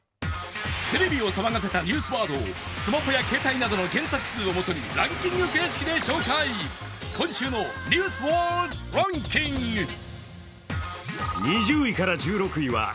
テレビを騒がせたニュースワードをスマホや携帯などの検索数をもとにランキング形式で紹介、今週の「ニュースワードランキング」。